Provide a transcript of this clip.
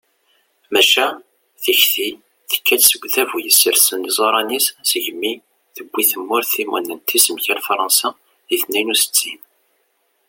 maca tikti tekka-d seg udabu yessersen iẓuṛan-is segmi tewwi tmurt timunent-is mgal fṛansa di tniyen u settin